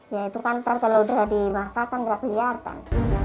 ya itu kan kalau udah dimasak kan nggak kelihatan